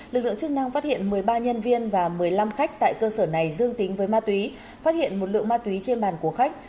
lực lượng chức năng phát hiện một mươi ba nhân viên và một mươi năm khách tại cơ sở này dương tính với ma túy phát hiện một lượng ma túy trên bàn của khách